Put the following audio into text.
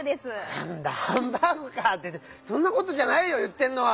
なんだハンバーグか！ってそんなことじゃないよいってんのは！